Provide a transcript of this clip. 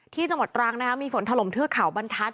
ที่จังหวัดตรางมีฝนถลมเทือกเขาบรรทัศน์